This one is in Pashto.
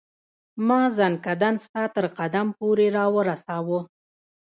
ما زکندن ستا تر قدم پوري را ورساوه